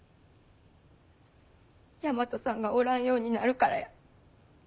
大和さんがおらんようになるからや。